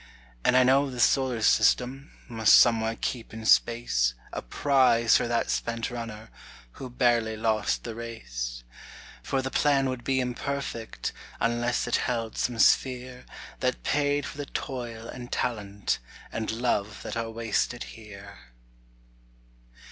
And I know the Solar system Must somewhere keep in space A prize for that spent runner Who barely lost the race. For the plan would be imperfect Unless it held some sphere That paid for the toil and talent And love that are wasted here.